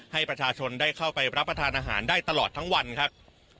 ให้ประชาชนได้เข้าไปรับประทานอาหารได้ตลอดทั้งวันครับ